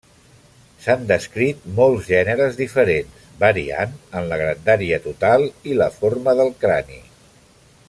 S'han descrit molts gèneres diferents, variant en la grandària total i la forma del crani.